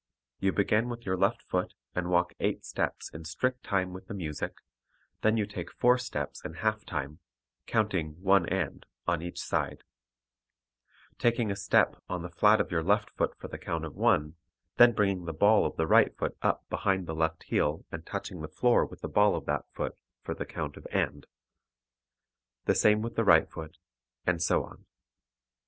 You begin with your left foot and walk 8 steps in strict time with the music, then you take four steps in half time, counting one and on each side, taking a step on the flat of your left foot for the count of 1, then bringing the ball of the right foot up behind the left heel and touching the floor with the ball of that foot for the count of "and"; the same with the right foot, and so on.